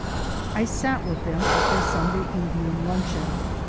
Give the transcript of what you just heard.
I sat with them at their Sunday evening luncheon.